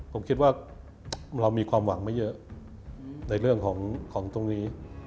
ผมคิดว่าเรามีความหวังไม่เยอะในเรื่องของตรงนี้